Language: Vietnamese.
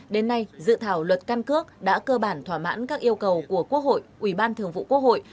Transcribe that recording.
đến nay dự thảo luật căn cước đã cơ bản thỏa mãn các yêu cầu của quốc hội ủy ban thường vụ quốc hội